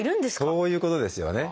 そういうことですよね。